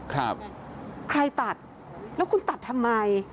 ใครตัดแล้วคุณตัดทำไม